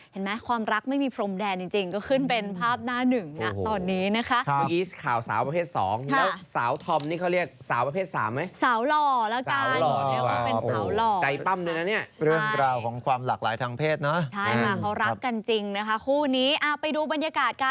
เห็นไหมความรักไม่มีพรมแดนจริงก็ขึ้นเป็นภาพหน้าหนึ่งนะตอนนี้นะคะ